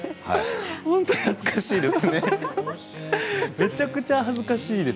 本当に恥ずかしいです。